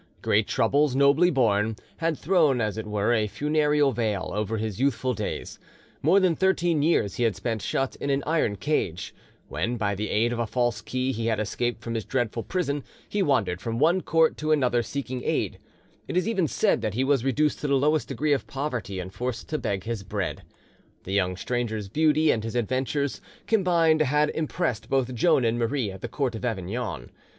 Great troubles nobly borne had thrown as it were a funereal veil over his youthful days: more than thirteen years he had spent shut in an iron cage; when by the aid of a false key he had escaped from his dreadful prison, he wandered from one court to another seeking aid; it is even said that he was reduced to the lowest degree of poverty and forced to beg his bread. The young stranger's beauty and his adventures combined had impressed both Joan and Marie at the court of Avignon.